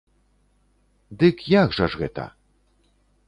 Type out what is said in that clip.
Дык як жа ж гэта?